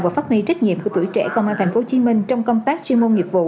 và phát huy trách nhiệm của tuổi trẻ công an tp hcm trong công tác chuyên môn nghiệp vụ